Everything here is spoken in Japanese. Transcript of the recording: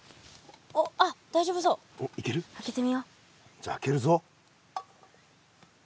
じゃ開けるぞ。